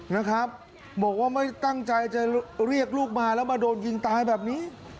นะครับบอกว่าไม่ตั้งใจจะเรียกลูกมาแล้วมาโดนยิงตายแบบนี้